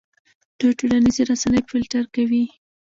دوی ټولنیزې رسنۍ فلټر کوي.